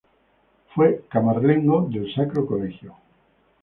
Fue Camarlengo del Sacro Colegio.